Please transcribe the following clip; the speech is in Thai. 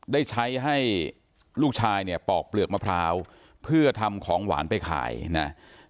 ได้ใช้ให้ลูกชายเนี่ยปอกเปลือกมะพร้าวเพื่อทำของหวานไปขายนะ